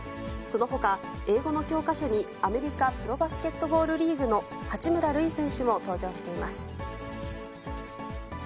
そのほか、英語の教科書に、アメリカ・プロバスケットボールリーグの八村塁選手も登場しています。